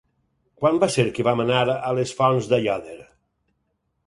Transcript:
Quan va ser que vam anar a les Fonts d'Aiòder?